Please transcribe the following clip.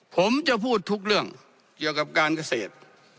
ผมจะพูดทุกเรื่องเกี่ยวกับการเกษตร